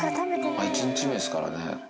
１日目ですからね。